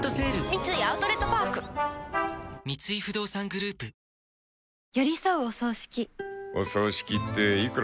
三井アウトレットパーク三井不動産グループやさしいマーン！！